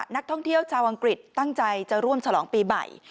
นักท่องเที่ยวชาวอังกฤษตั้งใจจะร่วมฉลองปีใหม่